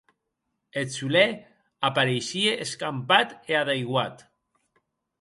Eth solèr apareishie escampat e adaiguat.